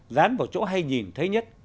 dán vào chỗ hay nhìn thấy nhất